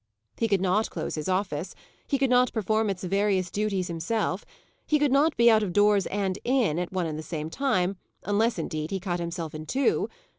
He could not close his office; he could not perform its various duties himself; he could not be out of doors and in, at one and the same time, unless, indeed, he cut himself in two!